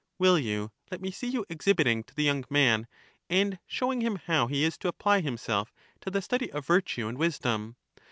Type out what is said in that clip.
Will you let me see you exhibiting to the young man, and showing him how he is to apply himself to the study of virtue and wis dom?